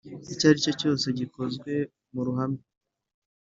icyo ari cyo cyose gikozwe mu ruhame